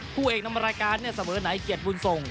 ผู้เอกนำรายการเสมอไหนเกียจบุญทรง